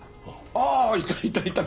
ああいたいたいた！